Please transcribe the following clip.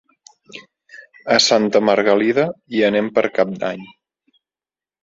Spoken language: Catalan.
A Santa Margalida hi anem per Cap d'Any.